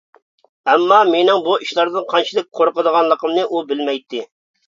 ئەمما مېنىڭ بۇ ئىشلاردىن قانچىلىك قورقىدىغانلىقىمنى ئۇ بىلمەيتتى.